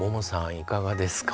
いかがですか？